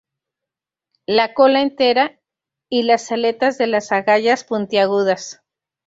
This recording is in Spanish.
La cola entera, y las aletas de las agallas puntiagudas.